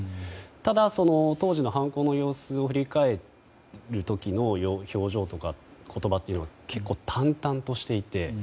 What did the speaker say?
ただ、当時の犯行の様子を振り返る時の表情とか言葉というのは結構淡々としていて。